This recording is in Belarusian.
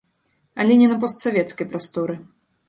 Але не на постсавецкай прасторы.